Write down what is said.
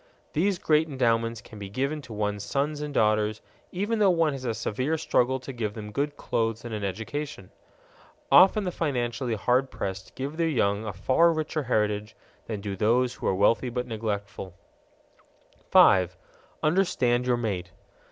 These great endowments can be given to one's sons and daughters even though one has a severe struggle to give them good clothes and an education. Often the financially hard pressed give their young a far richer heritage than do those who are wealthy but neglectful. _5. Understand your mate.